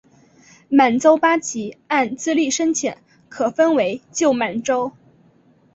满洲八旗按资历深浅可分为旧满洲。